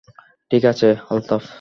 ঠিক আছে, আলতাফ।